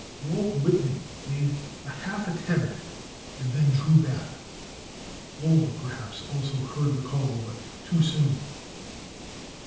Walt Whitman made a half attempt and then drew back; Lowell, perhaps, also heard the call, but too soon.